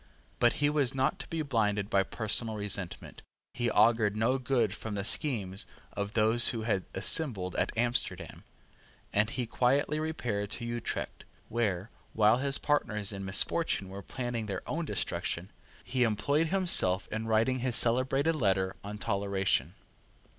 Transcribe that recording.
But he was not to be blinded by personal resentment he augured no good from the schemes of those who had assembled at Amsterdam; and he quietly repaired to Utrecht, where, while his partners in misfortune were planning their own destruction, he employed himself in writing his celebrated letter on Toleration.